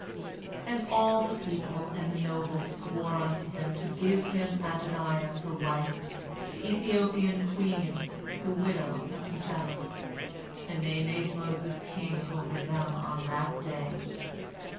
And all the people and the nobles swore unto him to give him Adoniah for wife, the Ethiopian queen, the widow of Kikanos. And they made Moses king over them on that day.